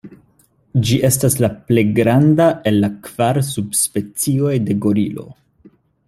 Ĝi estas la plej granda el la kvar subspecioj de gorilo.